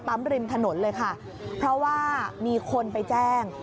ริมถนนเลยค่ะเพราะว่ามีคนไปแจ้ง